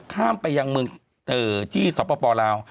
ข้ามไปยังเมืองที่สปลาว